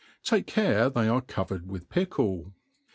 Take care they are covered with pickle.